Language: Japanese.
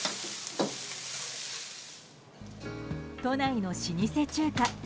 都内の老舗中華。